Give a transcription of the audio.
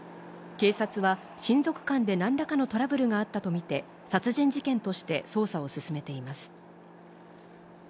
警察は親族間で何らかのトラブルがあったとみて殺人事件として捜査を進めています。